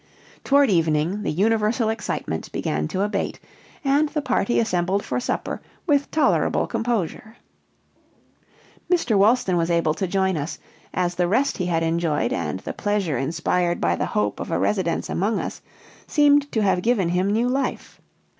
Toward evening the universal excitement began to abate, and the party assembled for supper with tolerable composure. Mr. Wolston was able to join us, as the rest he had enjoyed, and the pleasure inspired by the hope of a residence among us, seemed to have given him new life.